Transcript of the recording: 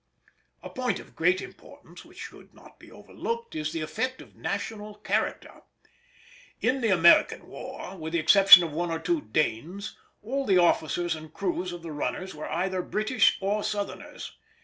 A point of great importance, which should not be overlooked, is the effect of national character. In the American war, with the exception of one or two Danes, all the officers and crews of the runners were either British or Southerners.